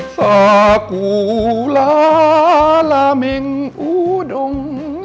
สากูลาลาเมงอูดง